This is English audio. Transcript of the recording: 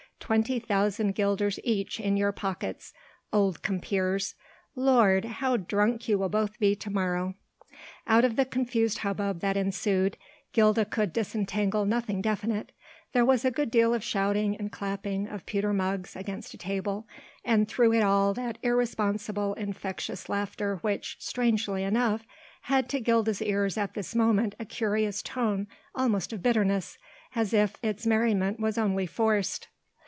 Twenty thousand guilders each in your pockets, old compeers. Lord! how drunk you will both be to morrow." Out of the confused hubbub that ensued Gilda could disentangle nothing definite; there was a good deal of shouting and clapping of pewter mugs against a table, and through it all that irresponsible, infectious laughter which strangely enough had to Gilda's ears at this moment a curious tone, almost of bitterness, as if its merriment was only forced.